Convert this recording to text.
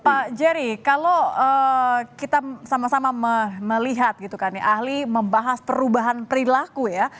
pak jerry kalau kita sama sama melihat gitu kan ya ahli membahas perubahan perilaku ya